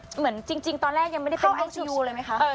เหมือนจริงจริงตอนแรกยังไม่ได้เป็นเลยไหมคะเอ่อ